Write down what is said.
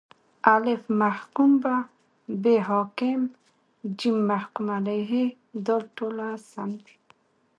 الف: محکوم به ب: حاکم ج: محکوم علیه د: ټوله سم دي